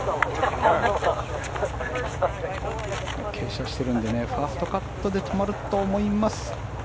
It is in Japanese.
傾斜してるんでファーストカットで止まると思います。